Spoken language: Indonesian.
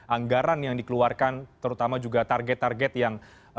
anggaran yang dikeluarkan terutama juga target target yang